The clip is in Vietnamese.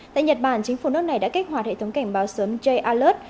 tại nhật bản chính phủ nước này đã kích hoạt hệ thống cảnh báo sớm j alod